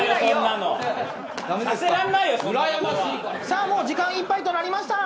さあもう時間いっぱいとなりました。